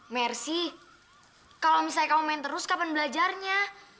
mersi kalau misalnya kamu main terus kapan belajarnya